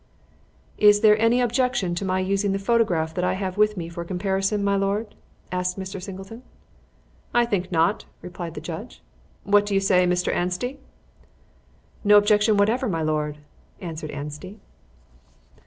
"Is there any objection to my using the photograph that I have with me for comparison, my lord?" asked Mr. Singleton. "I think not," replied the judge. "What do you say, Mr. Anstey?" "No objection whatever, my lord," answered Anstey.